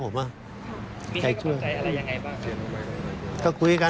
มีให้ความใจอะไรยังไงบ้าง